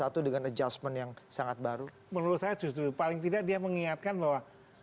satu dengan adjustment yang sangat baru menurut saya justru paling tidak dia mengingatkan bahwa